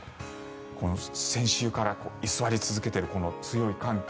先週から居座り続けている強い寒気